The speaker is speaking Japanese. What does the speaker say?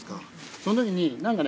その時に何かね